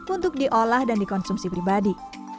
untuk diolah dan dikonsumsi pribadi